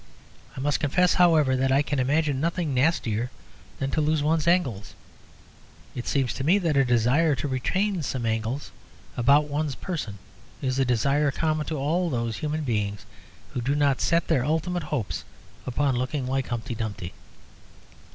I must confess, however, that I can imagine nothing nastier than to lose one's angles. It seems to me that a desire to retain some angles about one's person is a desire common to all those human beings who do not set their ultimate hopes upon looking like Humpty Dumpty.